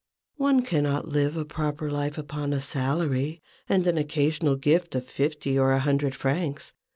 One cannot live a proper life upon a salary, and an occasional gift of fifty or a hundred francs.